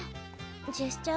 ジェスチャー